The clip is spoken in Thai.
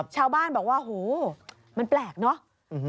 ชาวบ้านบอกว่าโหมันแปลกเนอะ